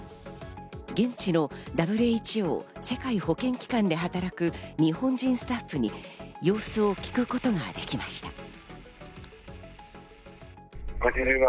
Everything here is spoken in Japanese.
現地のＷＨＯ＝世界保健機関で働く日本人スタッフに様子を聞くことができました。